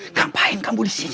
ngapain kamu disini